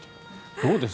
どうです？